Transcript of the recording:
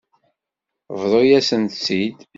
Bḍu-yasent-tt-id.